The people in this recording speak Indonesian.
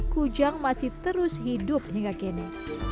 kujang masih terus hidup hingga kini